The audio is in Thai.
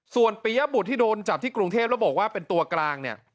ส่วนปียบุตรที่โดนจับที่กรุงเทพแล้วบอกว่าเป็นตัวกลางเนี่ย